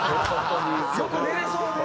よく寝れそうね。